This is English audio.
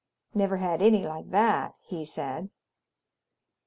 "Never had any like that," he said.